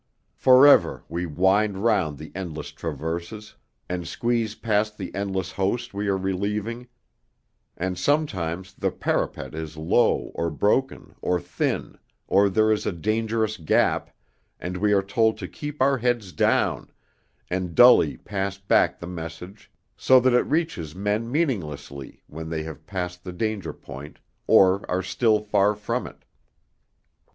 For ever we wind round the endless traverses, and squeeze past the endless host we are relieving; and sometimes the parapet is low or broken or thin, or there is a dangerous gap, and we are told to keep our heads down, and dully pass back the message so that it reaches men meaninglessly when they have passed the danger point, or are still far from it.